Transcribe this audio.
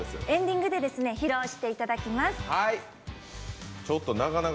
エンディングで披露していただきます。